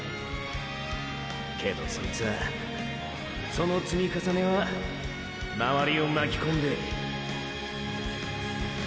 けどそいつはその積み重ねはまわりをまきこんでーー。